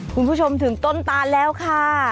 คุณผู้ชมถึงต้นตานแล้วค่ะ